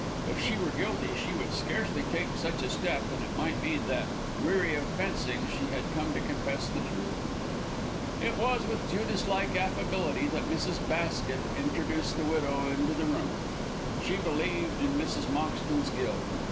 If she were guilty, she would scarcely take such a step; and it might be that, weary of fencing, she had come to confess the truth. It was with Judas like affability that Mrs. Basket introduced the widow into the room. She believed in Mrs. Moxton's guilt.